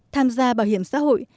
tham gia bảo hiểm xã hội